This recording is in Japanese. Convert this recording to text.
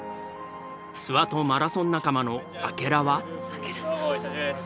諏訪とマラソン仲間の明楽は？